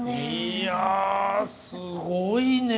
いやすごいね！